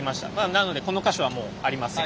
なのでこの箇所はもうありません。